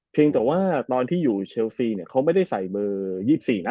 เพียงแต่ว่าตอนที่อยู่เชลสีเขาไม่ได้ใส่เบอร์๒๔นะ